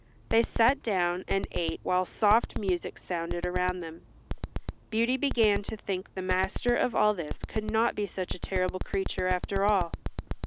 They sat down and ate while soft music sounded around them. Beauty began to think the master of all this could not be such a terrible creature after all.